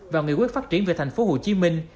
và nghị quyết phát triển về thành phố hồ chí minh